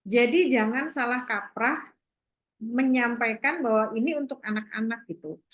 jadi jangan salah kaprah menyampaikan bahwa ini untuk anak anak gitu